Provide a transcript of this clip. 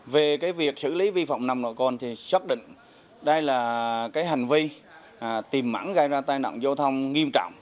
về việc xử lý vi phạm nồng độ cồn thì xác định đây là hành vi tìm mãn gây ra tai nặng giao thông nghiêm trọng